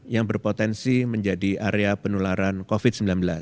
yang berpotensi menjadi area penularan covid sembilan belas